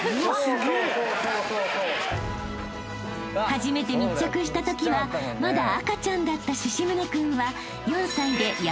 ［初めて密着したときはまだ赤ちゃんだった獅宗君は］